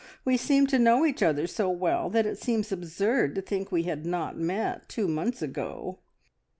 We seem to know each other so well that it seems absurd to think we had not met, two months ago.